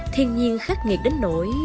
thiên nhiên khắc nghiệt đến nổi